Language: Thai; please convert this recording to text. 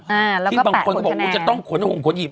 อ่าแล้วก็แปะโขนคะแนนที่บางคนก็บอกว่าจะต้องขนห่วงขนหยิบ